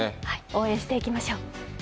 応援していきましょう。